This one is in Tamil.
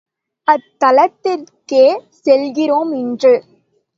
அத்தலத்திற்கே செல்கிறோம் இன்று.